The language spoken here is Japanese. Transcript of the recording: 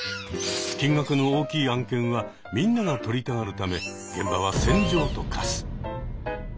金額の大きい案件はみんなが取りたがるため現場は戦場と化す。